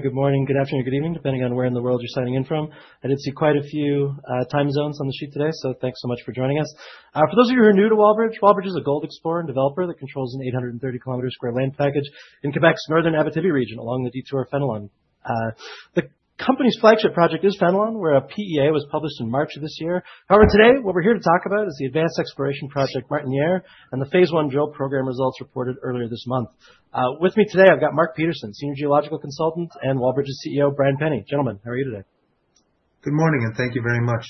Good morning, good afternoon, good evening, depending on where in the world you're signing in from. I did see quite a few time zones on the sheet today, so thanks so much for joining us. For those of you who are new to Wallbridge, Wallbridge is a gold explorer and developer that controls an 830 square kilometer land package in Québec's northern Abitibi region along the Detour-Fenelon. The company's flagship project is Fenelon, where a PEA was published in March of this year. However, today, what we're here to talk about is the advanced exploration project Martinière and the phase I drill program results reported earlier this month. With me today, I've got Mark Petersen, Senior Geological Consultant, and Wallbridge's CEO, Brian Penny. Gentlemen, how are you today? Good morning, and thank you very much.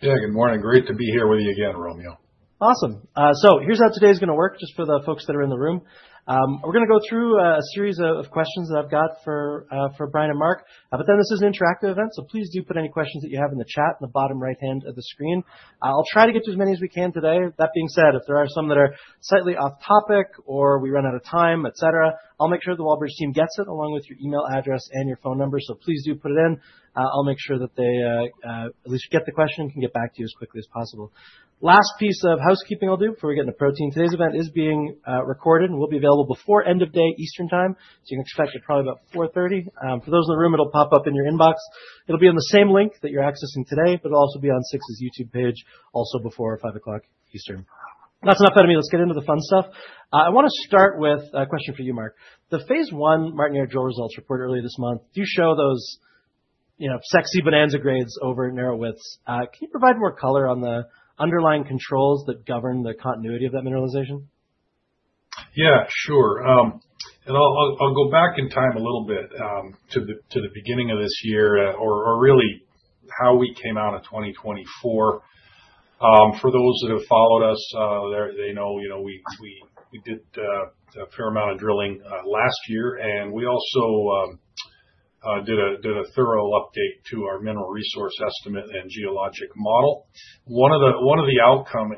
Yeah, good morning. Great to be here with you again, Romeo. Awesome. So here's how today is going to work, just for the folks that are in the room. We're going to go through a series of questions that I've got for Brian and Mark. But then this is an interactive event, so please do put any questions that you have in the chat in the bottom right-hand of the screen. I'll try to get to as many as we can today. That being said, if there are some that are slightly off-topic or we run out of time, et cetera, I'll make sure the Wallbridge team gets it along with your email address and your phone number. So please do put it in. I'll make sure that they at least get the question and can get back to you as quickly as possible. Last piece of housekeeping I'll do before we get into the presentation: today's event is being recorded and will be available before end of day Eastern Time. So you can expect it probably about 4:30 P.M. For those in the room, it'll pop up in your inbox. It'll be on the same link that you're accessing today, but it'll also be on 6ix's YouTube page also before 5:00 P.M. Eastern. That's enough out of me. Let's get into the fun stuff. I want to start with a question for you, Mark. The phase I Martinière drill results reported earlier this month do show those sexy bonanza grades over narrow widths. Can you provide more color on the underlying controls that govern the continuity of that mineralization? Yeah, sure. And I'll go back in time a little bit to the beginning of this year or really how we came out of 2024. For those that have followed us, they know we did a fair amount of drilling last year, and we also did a thorough update to our mineral resource estimate and geologic model. One of the outcomes,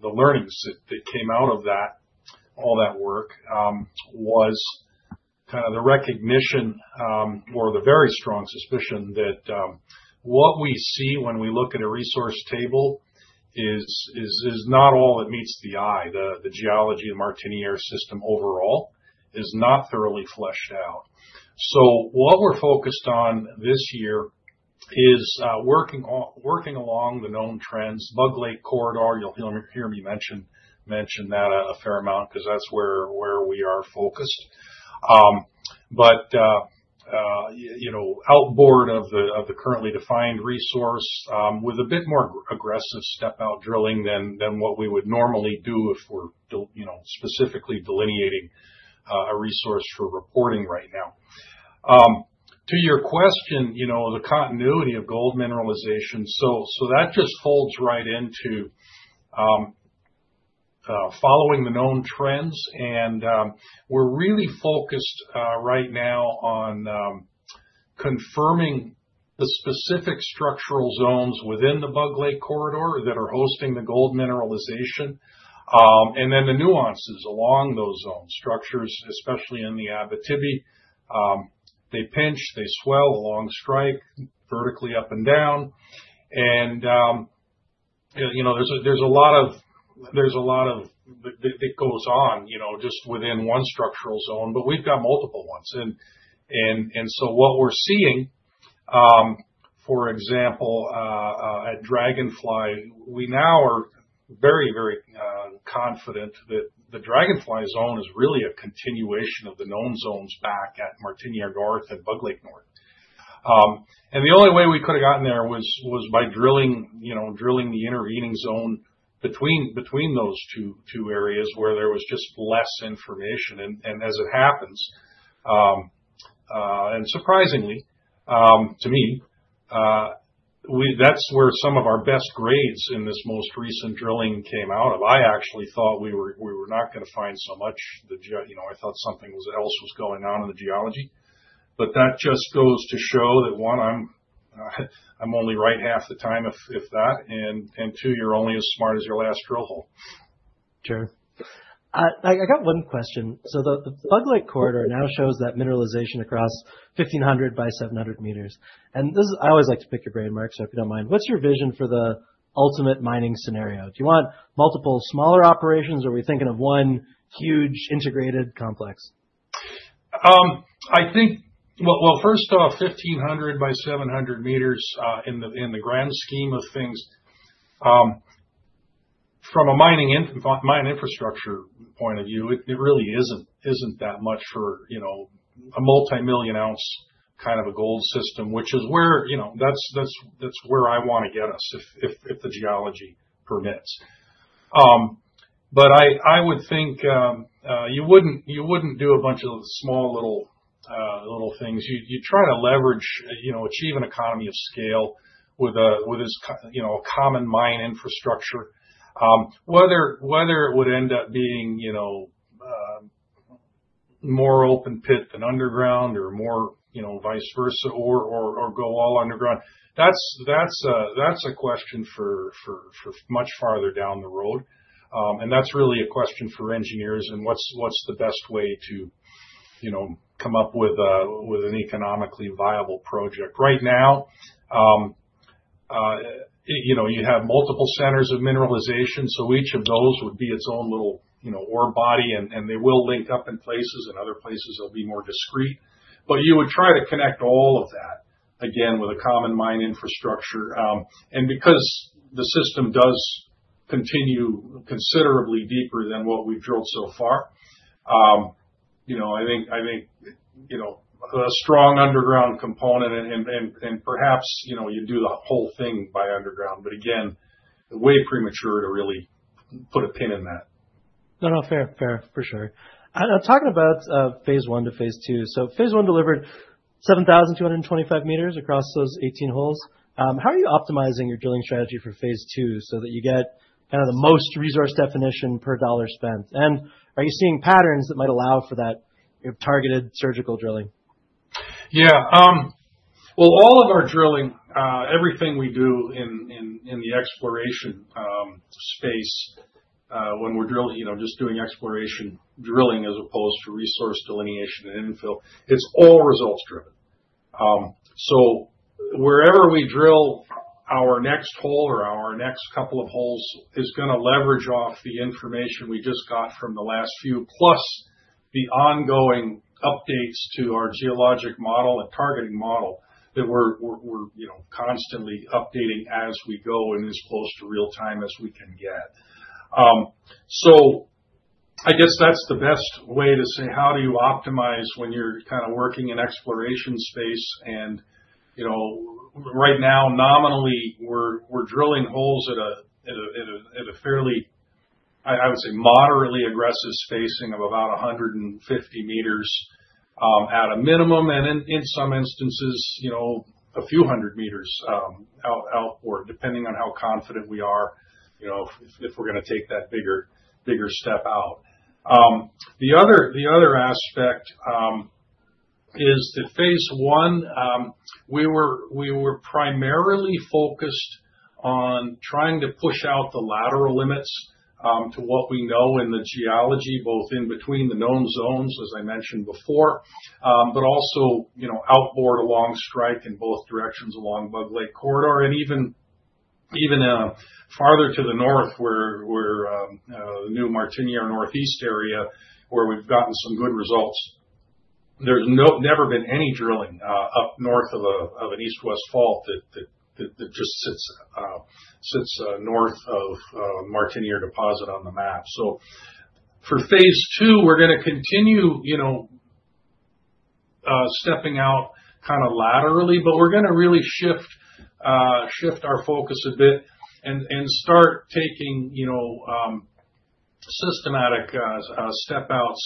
the learnings that came out of all that work was kind of the recognition or the very strong suspicion that what we see when we look at a resource table is not all that meets the eye. The geology of the Martinière system overall is not thoroughly fleshed out. So what we're focused on this year is working along the known trends. Bug Lake Corridor, you'll hear me mention that a fair amount because that's where we are focused. But outboard of the currently defined resource, with a bit more aggressive step-out drilling than what we would normally do if we're specifically delineating a resource for reporting right now. To your question, the continuity of gold mineralization just folds right into following the known trends, and we're really focused right now on confirming the specific structural zones within the Bug Lake Corridor that are hosting the gold mineralization, and then the nuances along those zone structures, especially in the Abitibi, they pinch, they swell along strike vertically up and down. There's a lot of that goes on just within one structural zone, but we've got multiple ones, and so what we're seeing, for example, at Dragonfly, we now are very, very confident that the Dragonfly zone is really a continuation of the known zones back at Martinière North and Bug Lake North. And the only way we could have gotten there was by drilling the intervening zone between those two areas where there was just less information. And as it happens, and surprisingly to me, that's where some of our best grades in this most recent drilling came out of. I actually thought we were not going to find so much. I thought something else was going on in the geology. But that just goes to show that, one, I'm only right half the time, if that. And two, you're only as smart as your last drill hole. Sure. I got one question. So the Bug Lake Corridor now shows that mineralization across 1,500 by 700 meters. And I always like to pick your brain, Mark, so if you don't mind, what's your vision for the ultimate mining scenario? Do you want multiple smaller operations, or are we thinking of one huge integrated complex? I think, well, first off, 1,500 by 700 meters in the grand scheme of things, from a mine infrastructure point of view, it really isn't that much for a multi-million-ounce kind of a gold system, which is where I want to get us if the geology permits, but I would think you wouldn't do a bunch of small little things. You try to leverage, achieve an economy of scale with a common mine infrastructure, whether it would end up being more open pit than underground or more vice versa or go all underground. That's a question for much farther down the road, and that's really a question for engineers and what's the best way to come up with an economically viable project. Right now, you have multiple centers of mineralization, so each of those would be its own little ore body, and they will link up in places. In other places, they'll be more discrete, but you would try to connect all of that, again, with a common mine infrastructure, and because the system does continue considerably deeper than what we've drilled so far, I think a strong underground component and perhaps you do the whole thing by underground, but again, way premature to really put a pin in that. No, no, fair, fair for sure. Talking about phase one to phase two, so phase one delivered 7,225 meters across those 18 holes. How are you optimizing your drilling strategy for phase II so that you get kind of the most resource definition per dollar spent? And are you seeing patterns that might allow for that targeted surgical drilling? Yeah. Well, all of our drilling, everything we do in the exploration space when we're just doing exploration drilling as opposed to resource delineation and infill, it's all results-driven. So wherever we drill, our next hole or our next couple of holes is going to leverage off the information we just got from the last few, plus the ongoing updates to our geologic model and targeting model that we're constantly updating as we go and as close to real time as we can get. So I guess that's the best way to say how do you optimize when you're kind of working in exploration space? Right now, nominally, we're drilling holes at a fairly, I would say, moderately aggressive spacing of about 150 meters at a minimum and in some instances, a few hundred meters outboard, depending on how confident we are if we're going to take that bigger step out. The other aspect is that phase one, we were primarily focused on trying to push out the lateral limits to what we know in the geology, both in between the known zones, as I mentioned before, but also outboard along strike in both directions along Bug Lake Corridor and even farther to the north where the new Martinière Northeast area where we've gotten some good results. There's never been any drilling up north of an east-west fault that just sits north of Martinière Deposit on the map. So for phase II, we're going to continue stepping out kind of laterally, but we're going to really shift our focus a bit and start taking systematic step-outs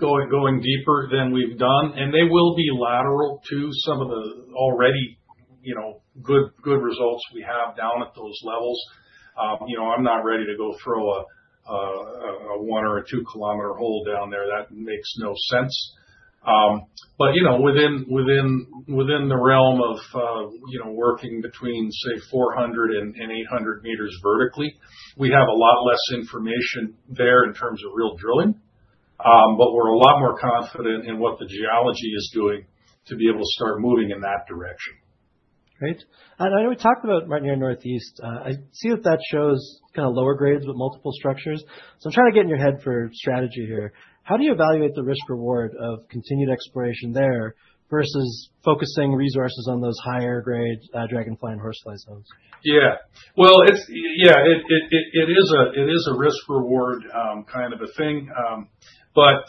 going deeper than we've done. And they will be lateral to some of the already good results we have down at those levels. I'm not ready to go throw a one or a two-kilometer hole down there. That makes no sense. But within the realm of working between, say, 400 and 800 meters vertically, we have a lot less information there in terms of real drilling. But we're a lot more confident in what the geology is doing to be able to start moving in that direction. Great, and I know we talked about Martinière Northeast. I see that that shows kind of lower grades with multiple structures, so I'm trying to get in your head for strategy here. How do you evaluate the risk-reward of continued exploration there versus focusing resources on those higher-grade Dragonfly and Horsefly zones? Yeah. Well, yeah, it is a risk-reward kind of a thing. But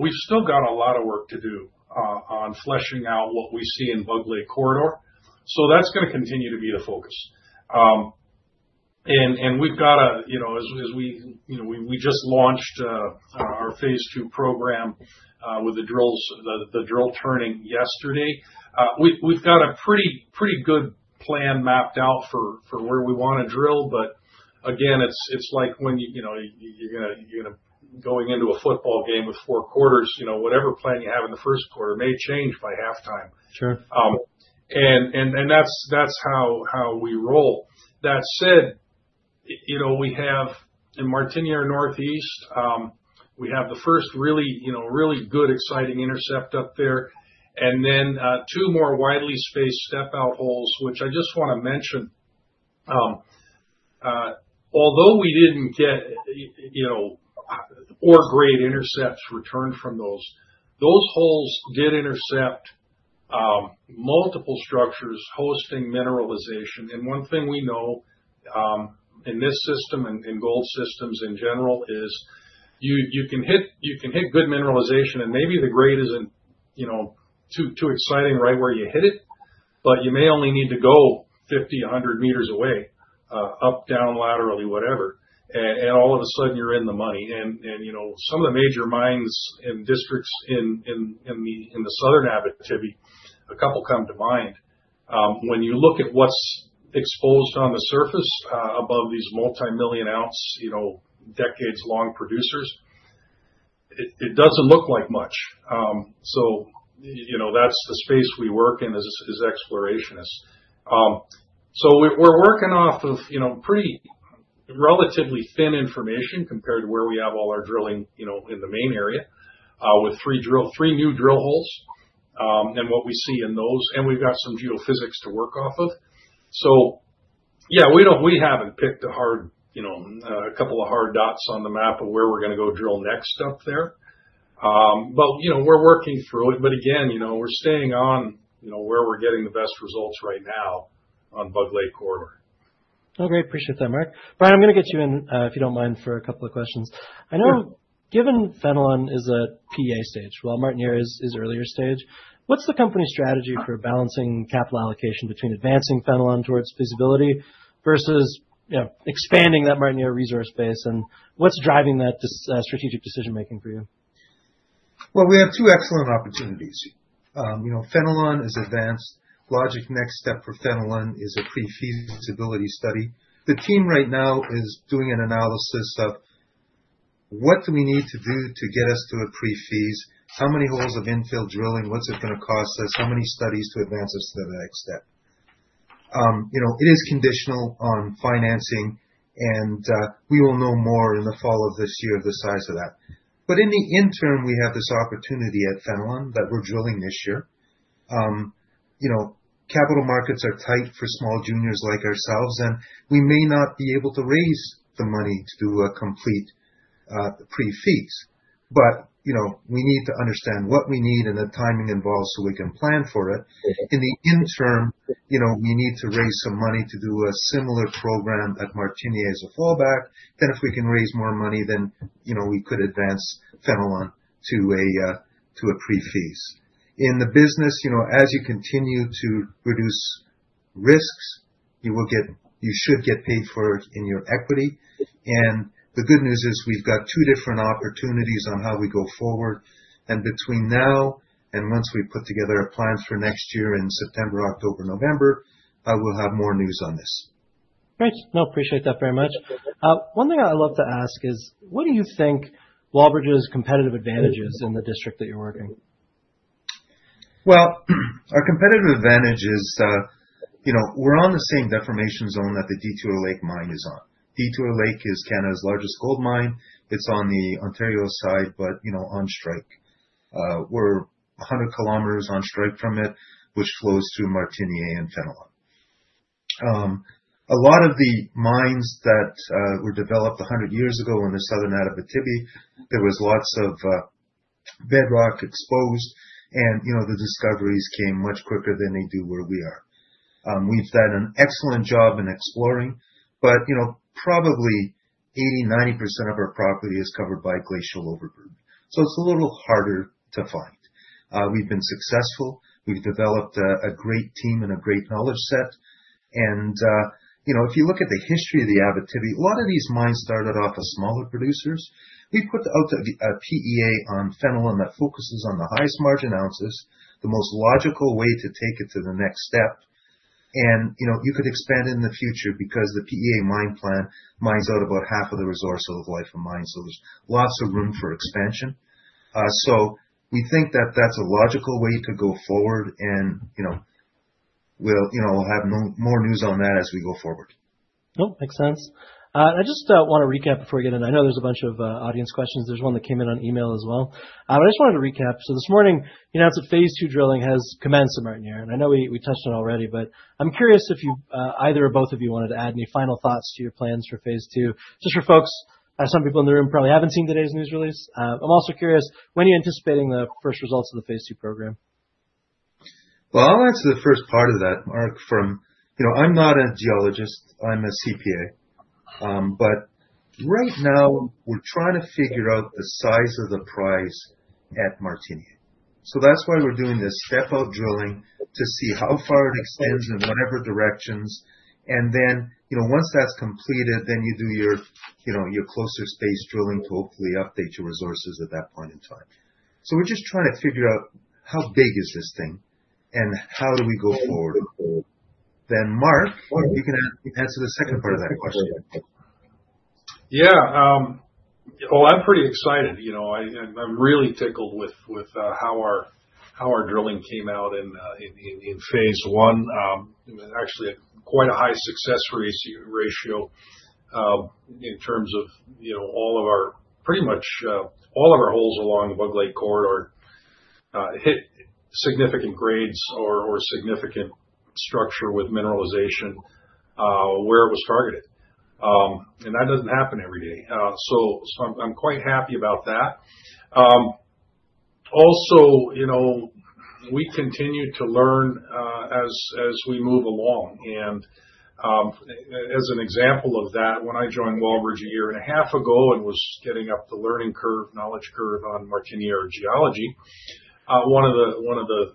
we've still got a lot of work to do on fleshing out what we see in Bug Lake Corridor. So that's going to continue to be the focus. And we've got a, as we just launched our phase two program with the drill turning yesterday, we've got a pretty good plan mapped out for where we want to drill. But again, it's like when you're going to go into a football game with four quarters, whatever plan you have in the first quarter may change by halftime. And that's how we roll. That said, we have in Martinière Northeast, we have the first really good, exciting intercept up there. And then two more widely spaced step-out holes, which I just want to mention. Although we didn't get ore-grade intercepts returned from those, those holes did intercept multiple structures hosting mineralization. One thing we know in this system and gold systems in general is you can hit good mineralization, and maybe the grade isn't too exciting right where you hit it, but you may only need to go 50-100 meters away up, down, laterally, whatever. All of a sudden, you're in the money. Some of the major mines and districts in the southern Abitibi, a couple come to mind. When you look at what's exposed on the surface above these multi-million-ounce, decades-long producers, it doesn't look like much. That's the space we work in as explorationists. We're working off of pretty relatively thin information compared to where we have all our drilling in the main area with three new drill holes and what we see in those. We've got some geophysics to work off of. Yeah, we haven't picked a couple of hard dots on the map of where we're going to go drill next up there. We're working through it. Again, we're staying on where we're getting the best results right now on Bug Lake Corridor. Okay. Appreciate that, Mark. Brian, I'm going to get you in, if you don't mind, for a couple of questions. I know given Fenelon is at PEA stage, while Martinière is earlier stage, what's the company's strategy for balancing capital allocation between advancing Fenelon towards feasibility versus expanding that Martinière resource base? And what's driving that strategic decision-making for you? We have two excellent opportunities. Fenelon is advanced. Logical next step for Fenelon is a pre-feasibility study. The team right now is doing an analysis of what do we need to do to get us to a pre-feas. How many holes of infill drilling? What's it going to cost us? How many studies to advance us to the next step? It is conditional on financing, and we will know more in the fall of this year of the size of that. But in the interim, we have this opportunity at Fenelon that we're drilling this year. Capital markets are tight for small juniors like ourselves, and we may not be able to raise the money to do a complete pre-feas. But we need to understand what we need and the timing involved so we can plan for it. In the interim, we need to raise some money to do a similar program at Martinière as a fallback. Then if we can raise more money, then we could advance Fenelon to a pre-feas. In the business, as you continue to reduce risks, you should get paid for it in your equity. And the good news is we've got two different opportunities on how we go forward. And between now and once we put together a plan for next year in September, October, November, I will have more news on this. Great. No, appreciate that very much. One thing I'd love to ask is, what do you think Wallbridge Mining's competitive advantages in the district that you're working? Our competitive advantages, we're on the same deformation zone that the Detour Lake mine is on. Detour Lake is Canada's largest gold mine. It's on the Ontario side, but on strike. We're 100 km on strike from it, which flows through Martinière and Fenelon. A lot of the mines that were developed 100 years ago in the southern Abitibi, there was lots of bedrock exposed, and the discoveries came much quicker than they do where we are. We've done an excellent job in exploring, but probably 80%-90% of our property is covered by glacial overburden. So it's a little harder to find. We've been successful. We've developed a great team and a great knowledge set, and if you look at the history of the Abitibi, a lot of these mines started off as smaller producers. We put out a PEA on Fenelon that focuses on the highest margin ounces, the most logical way to take it to the next step. And you could expand in the future because the PEA mine plan mines out about half of the resource of life of mines. So there's lots of room for expansion. So we think that that's a logical way to go forward, and we'll have more news on that as we go forward. No, makes sense. I just want to recap before we get in. I know there's a bunch of audience questions. There's one that came in on email as well. I just wanted to recap. So this morning, you announced that phase II drilling has commenced at Martinière. And I know we touched on it already, but I'm curious if either or both of you wanted to add any final thoughts to your plans for phase II. Just for folks, some people in the room probably haven't seen today's news release. I'm also curious. When are you anticipating the first results of the phase II program? I'll answer the first part of that, Mark—from I'm not a geologist. I'm a CPA. But right now, we're trying to figure out the size of the prize at Martinière. So that's why we're doing this step-out drilling to see how far it extends in whatever directions. And then once that's completed, then you do your closer space drilling to hopefully update your resources at that point in time. So we're just trying to figure out how big is this thing and how do we go forward. Then Mark, you can answer the second part of that question. Yeah. Well, I'm pretty excited. I'm really tickled with how our drilling came out in phase I. Actually, quite a high success ratio in terms of pretty much all of our holes along Bug Lake Corridor hit significant grades or significant structure with mineralization where it was targeted. And that doesn't happen every day. So I'm quite happy about that. Also, we continue to learn as we move along. And as an example of that, when I joined Wallbridge a year and a half ago and was getting up the learning curve, knowledge curve on Martinière geology, one of the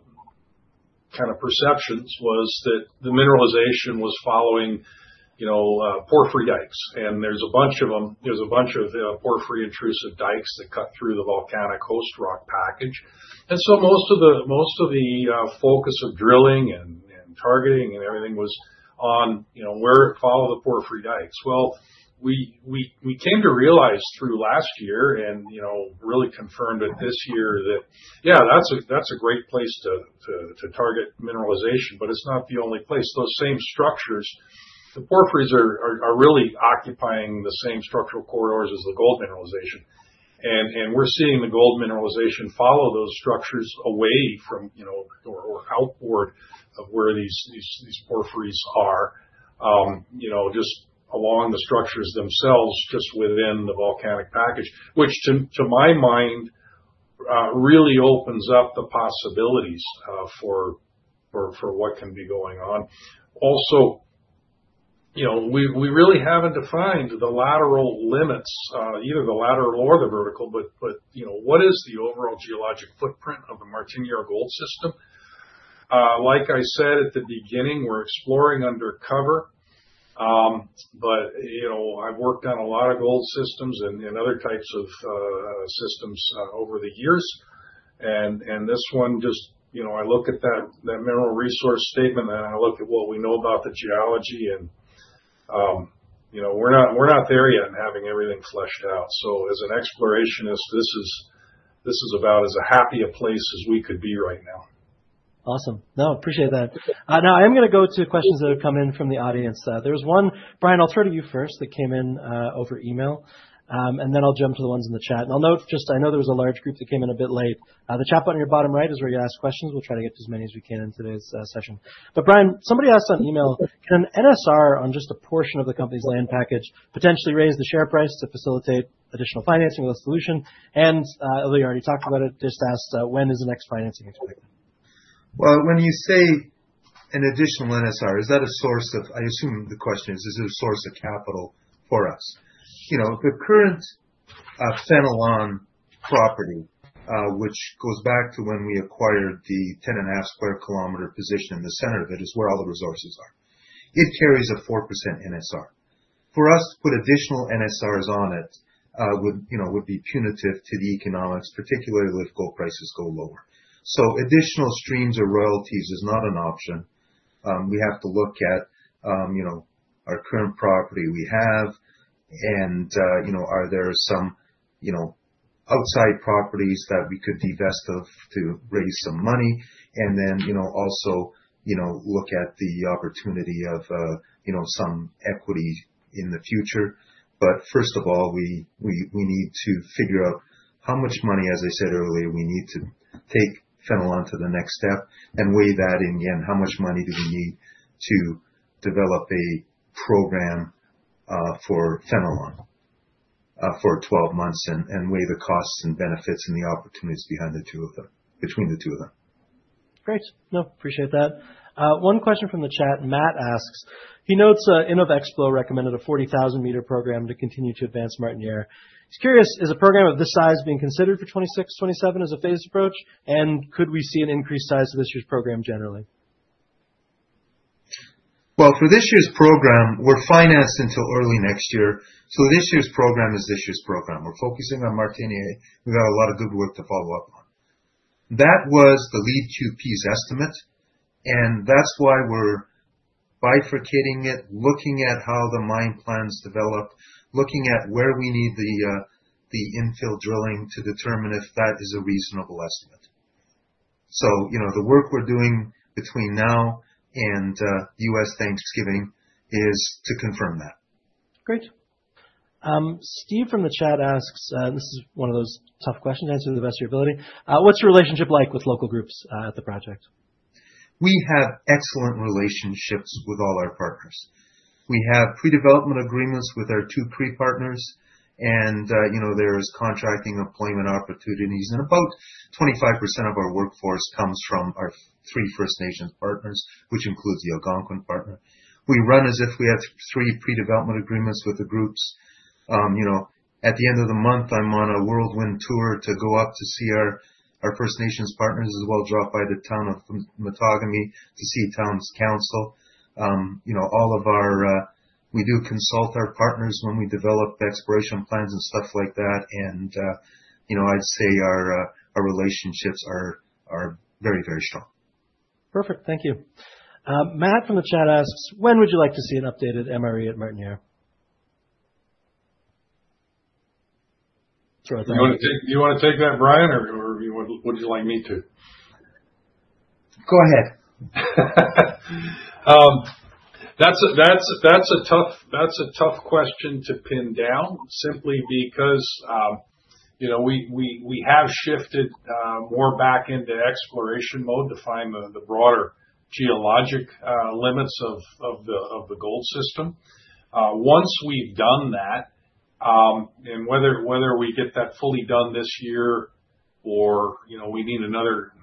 kind of perceptions was that the mineralization was following porphyry dikes. And there's a bunch of them. There's a bunch of porphyry intrusive dikes that cut through the volcanic host rock package. And so most of the focus of drilling and targeting and everything was on where it followed the porphyry dikes. Well, we came to realize through last year and really confirmed it this year that, yeah, that's a great place to target mineralization, but it's not the only place. Those same structures, the porphyries are really occupying the same structural corridors as the gold mineralization. And we're seeing the gold mineralization follow those structures away from or outboard of where these porphyries are just along the structures themselves, just within the volcanic package, which to my mind really opens up the possibilities for what can be going on. Also, we really haven't defined the lateral limits, either the lateral or the vertical, but what is the overall geologic footprint of the Martinière gold system? Like I said at the beginning, we're exploring undercover. But I've worked on a lot of gold systems and other types of systems over the years. And this one, just I look at that mineral resource statement, and I look at what we know about the geology. And we're not there yet in having everything fleshed out. So as an explorationist, this is about as happy a place as we could be right now. Awesome. No, appreciate that. Now, I am going to go to questions that have come in from the audience. There was one, Brian. I'll turn to you first that came in over email. Then I'll jump to the ones in the chat. I'll note just I know there was a large group that came in a bit late. The chat button on your bottom right is where you ask questions. We'll try to get to as many as we can in today's session. Brian, somebody asked on email, can an NSR on just a portion of the company's land package potentially raise the share price to facilitate additional financing of the solution? I know you already talked about it, just asked when is the next financing expected? When you say an additional NSR, is that a source of? I assume the question is, is it a source of capital for us? The current Fenelon property, which goes back to when we acquired the 10.5 square kilometer position in the center of it, is where all the resources are. It carries a 4% NSR. For us to put additional NSRs on it would be punitive to the economics, particularly if gold prices go lower. So additional streams or royalties is not an option. We have to look at our current property we have, and are there some outside properties that we could divest of to raise some money? And then also look at the opportunity of some equity in the future. But first of all, we need to figure out how much money, as I said earlier, we need to take Fenelon to the next step and weigh that in. Again, how much money do we need to develop a program for Fenelon for 12 months and weigh the costs and benefits and the opportunities behind the two of them, between the two of them. Great. No, appreciate that. One question from the chat. Matt asks, he notes InnovExplo recommended a 40,000-meter program to continue to advance Martinière. He's curious, is a program of this size being considered for 2026, 2027 as a phased approach? And could we see an increased size of this year's program generally? For this year's program, we're financed until early next year. This year's program is this year's program. We're focusing on Martinière. We've got a lot of good work to follow up on. That was the latest PEA estimate. That's why we're bifurcating it, looking at how the mine plans develop, looking at where we need the infill drilling to determine if that is a reasonable estimate. The work we're doing between now and U.S. Thanksgiving is to confirm that. Great. Steve from the chat asks, and this is one of those tough questions, answer to the best of your ability. What's your relationship like with local groups at the project? We have excellent relationships with all our partners. We have pre-development agreements with our two Cree partners, and there is contracting employment opportunities. About 25% of our workforce comes from our three First Nations partners, which includes the Algonquin partner. We run as if we have three pre-development agreements with the groups. At the end of the month, I'm on a whirlwind tour to go up to see our First Nations partners as well, drop by the town of Matagami to see town's council. We do consult our partners when we develop the exploration plans and stuff like that. I'd say our relationships are very, very strong. Perfect. Thank you. Matt from the chat asks, when would you like to see an updated MRE at Martinière? Do you want to take that, Brian, or what do you like me to? Go ahead. That's a tough question to pin down simply because we have shifted more back into exploration mode to find the broader geologic limits of the gold system. Once we've done that, and whether we get that fully done this year or we need another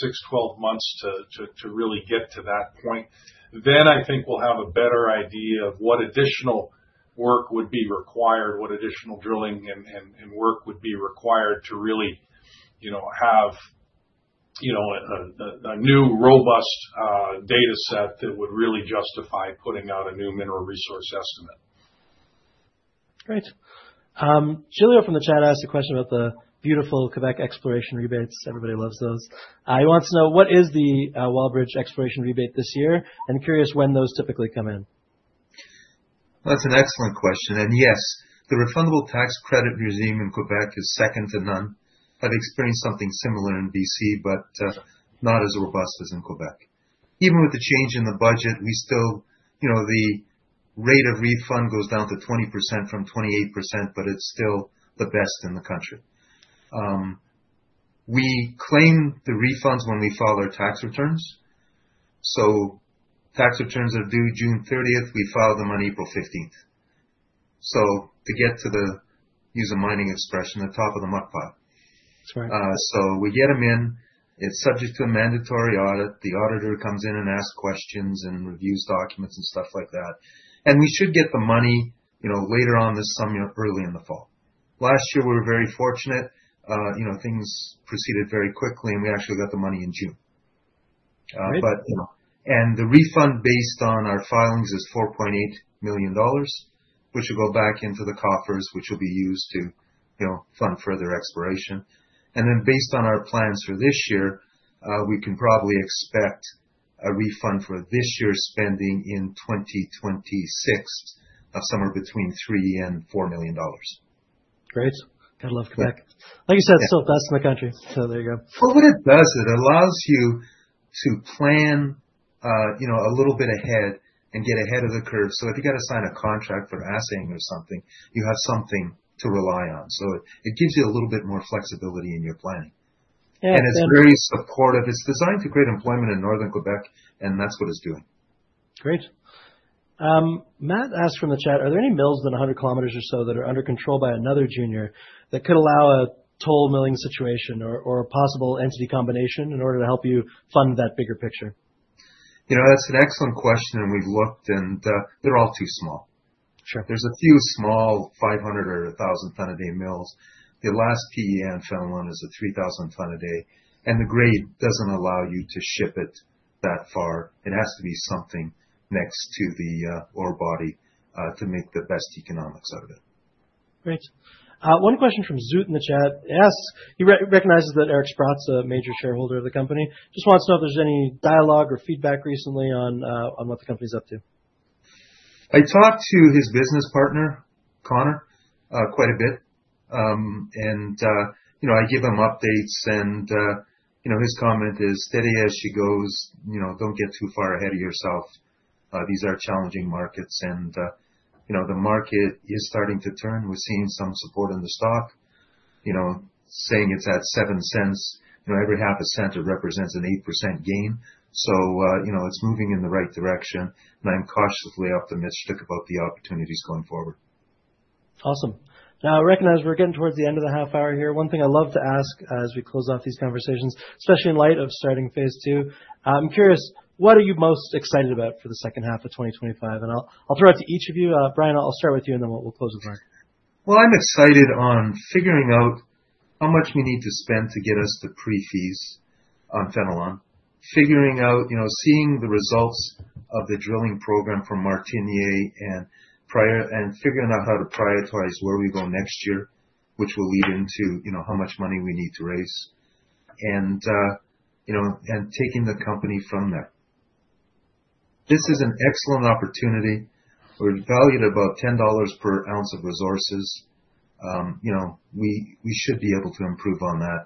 six, 12 months to really get to that point, then I think we'll have a better idea of what additional work would be required, what additional drilling and work would be required to really have a new robust data set that would really justify putting out a new mineral resource estimate. Great. Julian from the chat asked a question about the beautiful Québec exploration rebates. Everybody loves those. He wants to know, what is the Wallbridge exploration rebate this year, and curious when those typically come in? That's an excellent question, and yes, the refundable tax credit regime in Québec is second to none. I've experienced something similar in BC, but not as robust as in Québec. Even with the change in the budget, we still the rate of refund goes down to 20% from 28%, but it's still the best in the country. We claim the refunds when we file our tax returns. Tax returns are due June 30th. We file them on April 15th. To get to the use a mining expression, the top of the muck pile. We get them in. It's subject to a mandatory audit. The auditor comes in and asks questions and reviews documents and stuff like that. We should get the money later on this summer, early in the fall. Last year, we were very fortunate. Things proceeded very quickly, and we actually got the money in June, and the refund based on our filings is 4.8 million dollars, which will go back into the coffers, which will be used to fund further exploration, and then based on our plans for this year, we can probably expect a refund for this year's spending in 2026 of somewhere between 3 and 4 million dollars. Great. I love Québec. Like you said, it's still the best in the country. So there you go. What it does, it allows you to plan a little bit ahead and get ahead of the curve. So if you got to sign a contract for assaying or something, you have something to rely on. So it gives you a little bit more flexibility in your planning. And it's very supportive. It's designed to create employment in northern Québec, and that's what it's doing. Great. Matt asks from the chat, are there any mills within 100 kilometer or so that are under control by another junior that could allow a toll milling situation or a possible entity combination in order to help you fund that bigger picture? That's an excellent question. We've looked, and they're all too small. There's a few small 500- or 1,000-ton-a-day mills. The last one near Fenelon is a 3,000-ton-a-day. The grade doesn't allow you to ship it that far. It has to be something next to the ore body to make the best economics out of it. Great. One question from Zoot in the chat asks, he recognizes that Eric Sprott, a major shareholder of the company, just wants to know if there's any dialogue or feedback recently on what the company is up to. I talked to his business partner, Connor, quite a bit. And I give him updates. And his comment is, steady as she goes, don't get too far ahead of yourself. These are challenging markets. And the market is starting to turn. We're seeing some support in the stock, saying it's at 0.07. Every CAD 0.005, it represents an 8% gain. So it's moving in the right direction. And I'm cautiously optimistic about the opportunities going forward. Awesome. Now, I recognize we're getting towards the end of the half hour here. One thing I love to ask as we close off these conversations, especially in light of starting phase II, I'm curious, what are you most excited about for the second half of 2025? And I'll throw it to each of you. Brian, I'll start with you, and then we'll close with Mark. I'm excited on figuring out how much we need to spend to get us the pre-feas on Fenelon, figuring out, seeing the results of the drilling program from Martinière, and figuring out how to prioritize where we go next year, which will lead into how much money we need to raise, and taking the company from there. This is an excellent opportunity. We're valued at about 10 dollars per ounce of resources. We should be able to improve on that.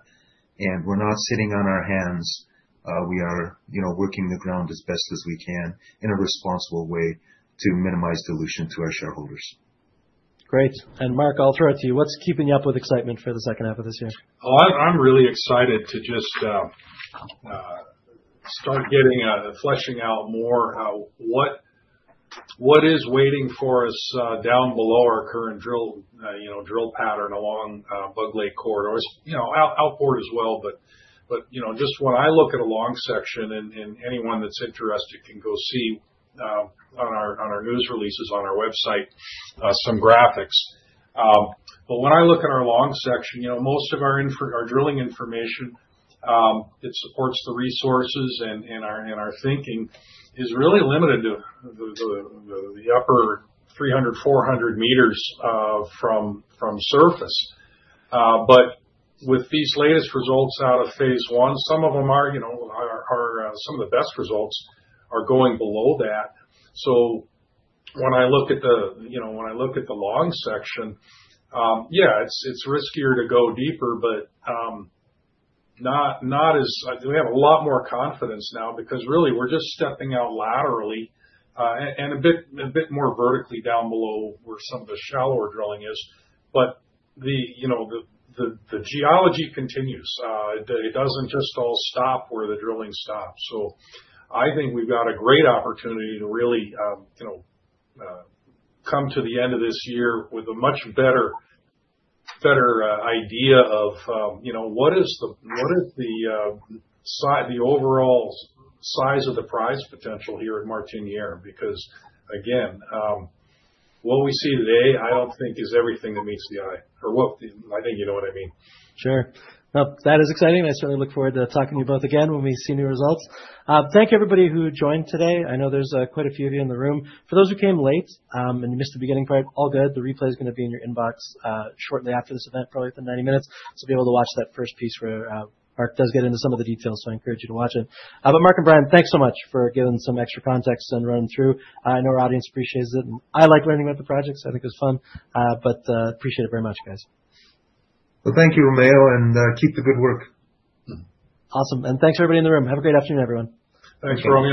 We're not sitting on our hands. We are working the ground as best as we can in a responsible way to minimize dilution to our shareholders. Great. And Mark, I'll throw it to you. What's keeping you up with excitement for the second half of this year? Oh, I'm really excited to just start getting a fleshing out more what is waiting for us down below our current drill pattern along Bug Lake Corridor, outboard as well. But just when I look at a long section, and anyone that's interested can go see on our news releases on our website some graphics. But when I look at our long section, most of our drilling information, it supports the resources, and our thinking is really limited to the upper 300-400 meters from surface. But with these latest results out of phase one, some of them, some of the best results, are going below that. So when I look at the long section, yeah, it's riskier to go deeper, but not as we have a lot more confidence now because really we're just stepping out laterally and a bit more vertically down below where some of the shallower drilling is. But the geology continues. It doesn't just all stop where the drilling stops. So I think we've got a great opportunity to really come to the end of this year with a much better idea of what is the overall size of the prize potential here at Martinière because, again, what we see today, I don't think is everything that meets the eye. Or I think you know what I mean. Sure. No, that is exciting. I certainly look forward to talking to you both again when we see new results. Thank you, everybody who joined today. I know there's quite a few of you in the room. For those who came late and you missed the beginning part, all good. The replay is going to be in your inbox shortly after this event, probably within 90 minutes. So be able to watch that first piece where Mark does get into some of the details. So I encourage you to watch it. But Mark and Brian, thanks so much for giving some extra context and running through. I know our audience appreciates it. And I like learning about the projects. I think it was fun. But appreciate it very much, guys. Thank you, Romeo, and keep up the good work. Awesome. And thanks, everybody in the room. Have a great afternoon, everyone. Thanks for coming.